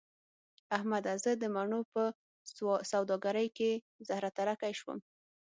احمده! زه د مڼو په سوداګرۍ کې زهره ترکی شوم.